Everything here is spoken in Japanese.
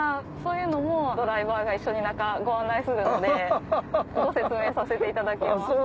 そういうのもドライバーが一緒に中ご案内するのでご説明させていただきます。